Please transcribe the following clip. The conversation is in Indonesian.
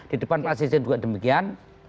di depan pak presiden juga demikian